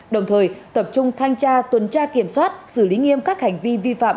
đồng thời tập trung thanh tra tuần tra kiểm soát xử lý nghiêm các hành vi vi phạm